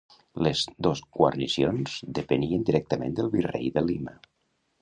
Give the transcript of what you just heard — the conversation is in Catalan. Les dos guarnicions depenien directament del virrei de Lima.